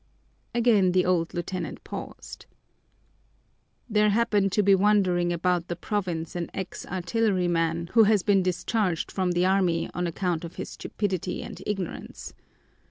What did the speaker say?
Again the old lieutenant paused. "There happened to be wandering about the province an ex artilleryman who has been discharged from the army on account of his stupidity and ignorance.